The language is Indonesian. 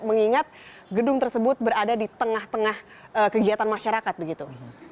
mengingat gedung tersebut berada di tengah tengah kegiatan masyarakat begitu